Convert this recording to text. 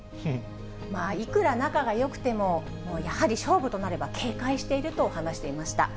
いくら仲がよくても、もうやはり勝負となれば、警戒していると話していました。